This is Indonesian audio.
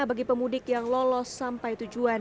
bagi pemudik yang lolos sampai tujuan